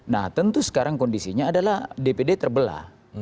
nah tentu sekarang kondisinya adalah dpd terbelah